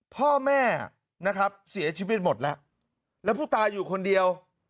พ่อแม่นะครับเสียชีวิตหมดแล้วแล้วผู้ตายอยู่คนเดียว